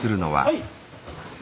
はい！